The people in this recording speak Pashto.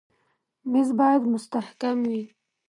مېز باید مستحکم وي.